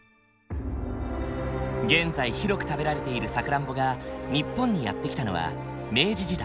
現在広く食べられているさくらんぼが日本にやって来たのは明治時代。